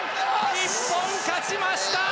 日本、勝ちました！